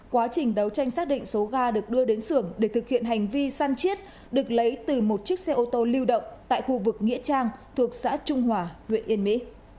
quá trình đấu tranh xác định số ga được đưa đến xưởng để thực hiện hành vi săn chiết được lấy từ một chiếc xe ô tô lưu động tại khu vực nghĩa trang thuộc xã trung hòa huyện yên mỹ